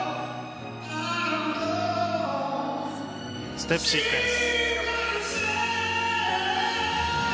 ステップシークエンス。